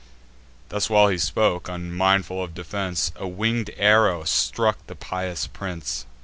Thus while he spoke, unmindful of defence, A winged arrow struck the pious prince.